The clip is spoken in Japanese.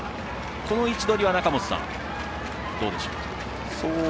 この位置取りは中本さんどうでしょうか。